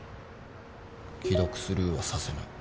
既読スルーはさせない。